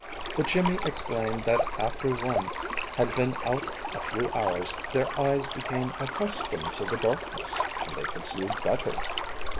But Jimmy explained that after one had been out a few hours their eyes became accustomed to the darkness and they could see better.